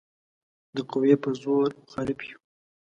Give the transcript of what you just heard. د قوې په زور مخالف یو.